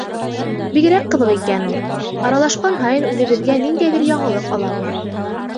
Бигерәк ҡыҙыҡ икән ул: аралашҡан һайын үҙебеҙгә ниндәйҙер яңылыҡ алабыҙ.